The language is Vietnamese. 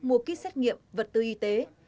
mua kýt xét nghiệm vật tư y tế